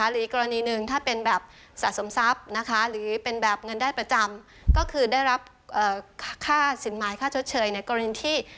อีกกรณีหนึ่งถ้าเป็นแบบสะสมทรัพย์นะคะหรือเป็นแบบเงินได้ประจำก็คือได้รับค่าสินหมายค่าชดเชยในกรณีที่